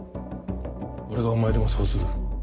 俺がお前でもそうする。